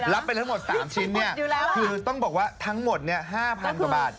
ไปทั้งหมด๓ชิ้นคือต้องบอกว่าทั้งหมด๕๐๐๐กว่าบาท